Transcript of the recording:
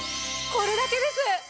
これだけです！